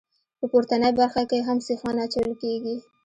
په پورتنۍ برخه کې هم سیخان اچول کیږي